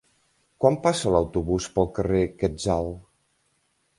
Quan passa l'autobús pel carrer Quetzal?